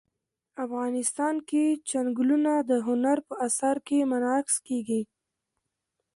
افغانستان کې چنګلونه د هنر په اثار کې منعکس کېږي.